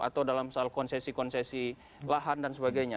atau dalam soal konsesi konsesi lahan dan sebagainya